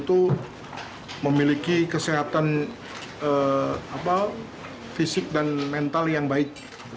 itu memiliki kesehatan fisik dan mental yang baik